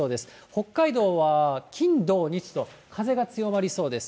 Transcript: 北海道は金、土、日と風が強まりそうです。